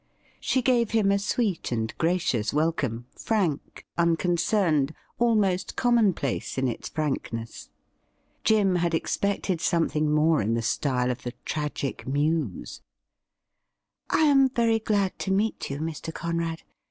She gave him a sweet and gracious welcome, frank, unconcerned, almost commonplace in its frankness. Jim had expected some thing more in the style of the Tragic Muse. ' I am very glad to meet you, Mr. Conrad.